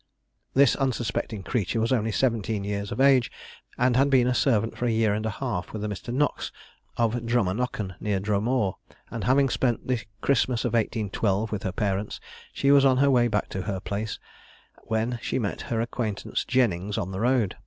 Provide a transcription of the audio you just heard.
This unsuspecting creature was only seventeen years of age, and had been a servant for a year and a half with a Mr. Knox of Drumanockan, near Dromore, and having spent the Christmas of 1812 with her parents, she was on her way back to her place, when she met her acquaintance Jennings on the road.